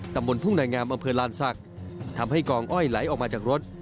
ตำบลทุ่งนางามอำเภอลานศักดิ์ทำให้กองอ้อยไหลออกมาจากรถ